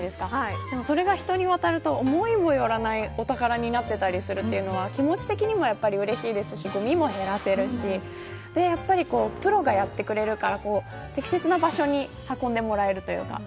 それが人に渡ると思いもよらないお宝になってたりするというのは気持ち的にもうれしいですしごみも減らせますしプロがやってくるから適切な場所に運んでもらえるというか。